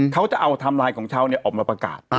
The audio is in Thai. เขาจะเอาทามไลน์ของเชี่ยวออกมาประกัด